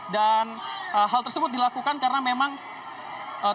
dan hal tersebut dilakukan karena memang tersangka agus